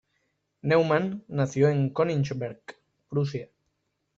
Neumann nació en Königsberg, Prusia.